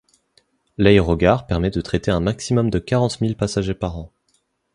L'aérogare permet de traiter un maximum de quarante mille passagers par an.